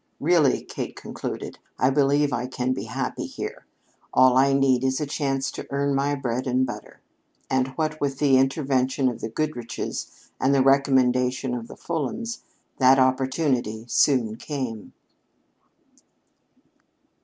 "Really," Kate concluded, "I believe I can be happy here. All I need is a chance to earn my bread and butter." And what with the intervention of the Goodriches and the recommendation of the Fulhams, that opportunity soon came.